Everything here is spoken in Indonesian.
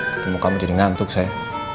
ketemu kamu jadi ngantuk saya